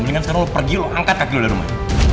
mendingan sekarang elu pergi elu angkat kaki lu dari rumah